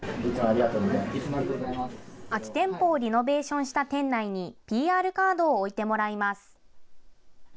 空き店舗をリノベーションした店内に、ＰＲカードを置いてもらいます。